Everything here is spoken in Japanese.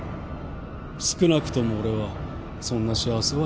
少なくとも俺はそんな幸せはいらない。